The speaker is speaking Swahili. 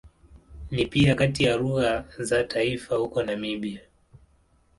Ni pia kati ya lugha za taifa huko Namibia.